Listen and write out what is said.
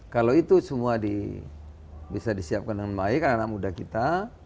kalau itu semua bisa disiapkan dengan baik anak anak muda kita